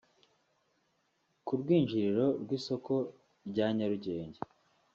Ku rwinjiriro rw’isoko rya Nyarugenge